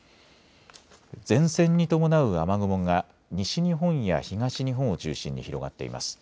前線に伴う雨雲が西日本や東日本を中心に広がっています。